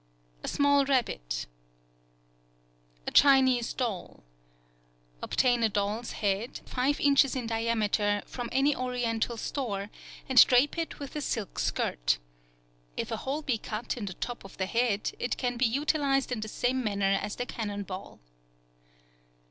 A small rabbit. A Chinese doll.—Obtain a doll's head, 5 in. in diameter, from any Oriental store, and drape it with a silk skirt. If a hole be cut in the top of the head it can be utilized in the same manner as the cannon ball.